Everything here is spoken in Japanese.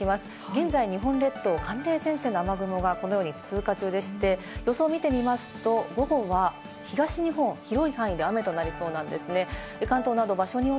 現在、日本列島を寒冷前線の雨雲がこのように通過中でして、予想を見てみますと午後は東日本、広い範囲で雨となりそうなんですね。